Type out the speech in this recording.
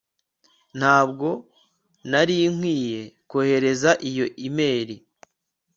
ntabwo nari nkwiye kohereza iyo imeri